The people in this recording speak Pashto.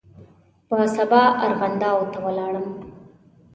په سبا ارغنداو ته ولاړم.